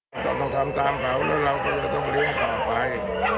ก็ต้องทำตามเขาแล้วเราก็เลยต้องเลี้ยงต่อไป